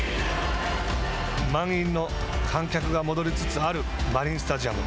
満員の観客が戻りつつあるマリンスタジアム。